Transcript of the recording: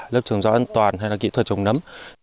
lớp trồng rau ăn toàn hay là kỹ thuật trồng nấm